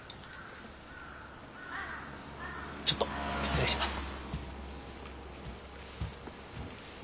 ちょっと失礼します。